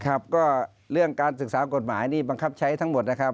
ครับก็เรื่องการศึกษากฎหมายนี่บังคับใช้ทั้งหมดนะครับ